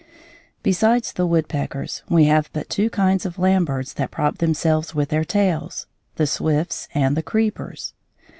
] Besides the woodpeckers we have but two kinds of land birds that prop themselves with their tails, the swifts and the creepers.